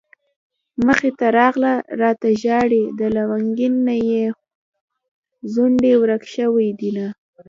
مخې ته راغله راته ژاړي د لونګين نه يې ځونډي ورک شوي دينه